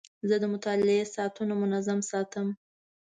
زه د مطالعې ساعتونه منظم ساتم.